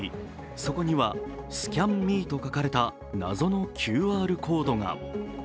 そこには「ＳＣＡＮＭＥ」と書かれた謎のＱＲコードが。